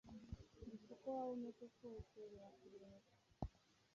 gusa uko waba umeze kose birakureba